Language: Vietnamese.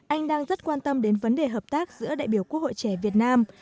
anh đang rất quan tâm đến vấn đề hợp tác giữa đại biểu quốc hội trẻ việt nam